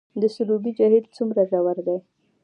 د سروبي جهیل څومره ژور دی؟